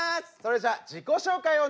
それじゃあ自己紹介